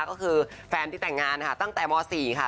ก็คือแฟนที่แต่งงานค่ะตั้งแต่ม๔ค่ะ